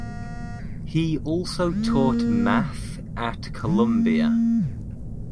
He also taught math at Columbia.